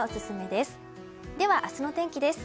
では、明日の天気です。